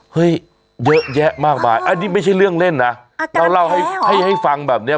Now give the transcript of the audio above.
เยอะแยะมากมายอันนี้ไม่ใช่เรื่องเล่นนะเราเล่าให้ให้ฟังแบบเนี้ย